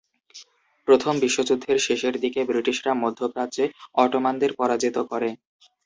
প্রথম বিশ্বযুদ্ধের শেষের দিকে ব্রিটিশরা মধ্যপ্রাচ্যে অটোমানদের পরাজিত করে।